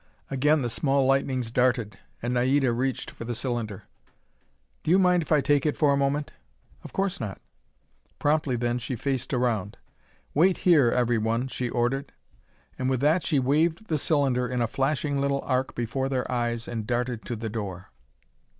Again the small lightnings darted, and Naida reached for the cylinder. "Do you mind if I take it for a moment?" "Of course not." Promptly then she faced around. "Wait here, everyone," she ordered. And with that she waved the cylinder in a flashing little arc before their eyes, and darted to the door.